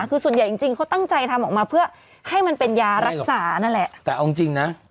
คือส่วนใหญ่จริงจริงเขาตั้งใจทำออกมาเพื่อให้มันเป็นยารักษานั่นแหละแต่เอาจริงจริงนะ